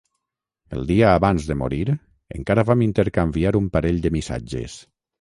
El dia abans de morir encara vam intercanviar un parell de missatges.